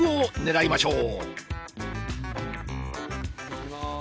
いきます。